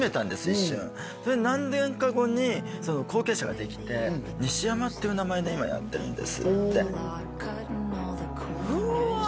一瞬何年か後に後継者ができてにしやまっていう名前で今やってるんですってうわ！